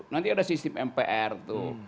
nanti ada sistem mpr tuh